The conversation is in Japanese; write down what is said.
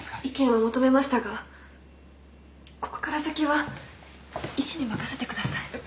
意見は求めましたがここから先は医師に任せてください。